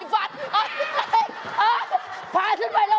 เอาไปเต้นไปถึงแล้ว